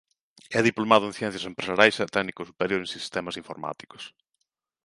É diplomado en Ciencias Empresariais e Técnico Superior de Sistemas Informáticos.